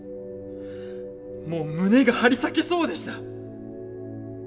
もう胸が張り裂けそうでした！